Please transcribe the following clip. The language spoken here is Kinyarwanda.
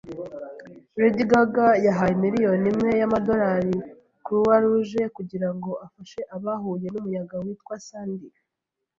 Lady Gaga yahaye miliyoni imwe y’amadorali Croix Rouge kugira ngo afashe abahuye n’umuyaga witwa Sandy.